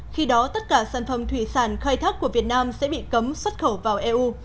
khi đó tất cả sản phẩm thủy sản khai thác của việt nam sẽ bị cấm xuất khẩu vào eu